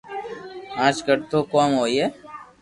اج ڪرو تو ڪوم ھوئي